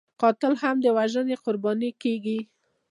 قاتل هم د وژنې قرباني کېږي